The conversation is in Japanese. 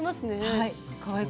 はい。